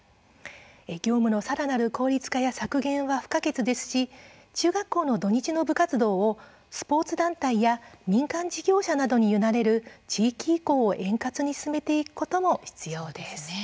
業務のさらなる効率化や削減は不可欠ですし中学校の土日の部活動をスポーツ団体や民間事業者などに委ねる地域移行を円滑に進めていくことも必要です。